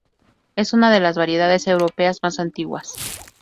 Es una de las variedades europeas más antiguas.